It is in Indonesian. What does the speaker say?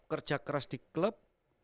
kerja keras di klub